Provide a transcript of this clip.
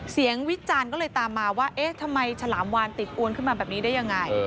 วิจารณ์ก็เลยตามมาว่าเอ๊ะทำไมฉลามวานติดอวนขึ้นมาแบบนี้ได้ยังไง